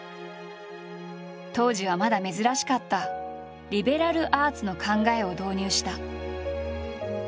当時はまだ珍しかった「リベラルアーツ」の考えを導入した。